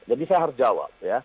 jadi saya harus jawab